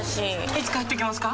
いつ帰ってきますか？